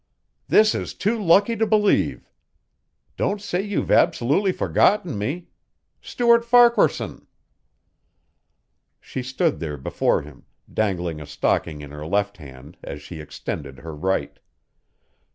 "This is too lucky to believe. Don't say you've absolutely forgotten me Stuart Farquaharson." She stood there before him, dangling a stocking in her left hand as she extended her right.